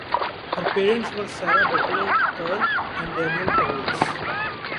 Her parents were Sarah Butler Ker and Daniel Towles.